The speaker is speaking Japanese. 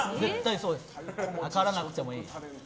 量らなくてもいい。